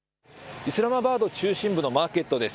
イスラマバード中心部のマーケットです。